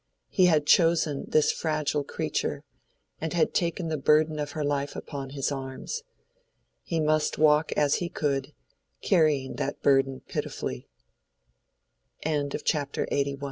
He had chosen this fragile creature, and had taken the burthen of her life upon his arms. He must walk as he could, carrying that burthen pitifully. CHAPTER LXXXII. "My grief